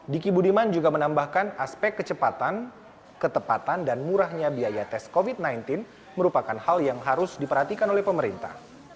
diki budiman juga menambahkan aspek kecepatan ketepatan dan murahnya biaya tes covid sembilan belas merupakan hal yang harus diperhatikan oleh pemerintah